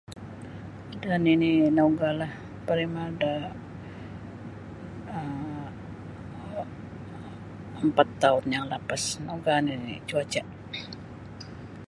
Isa nini nauga lah paling ada um ampat taun yang lapas nauga nini cuaca.